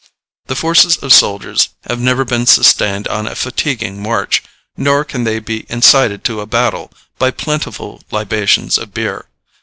The forces of soldiers have never been sustained on a fatiguing march, nor can they be incited to a battle, by plentiful libations of beer.